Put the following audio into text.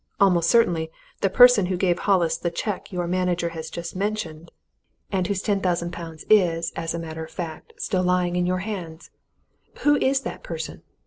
Almost certainly, the person who gave Hollis the cheque your manager has just mentioned and whose ten thousand pounds is, as a matter of fact, still lying in your hands! Who is that person?